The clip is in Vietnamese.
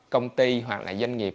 công ty hoặc là doanh nghiệp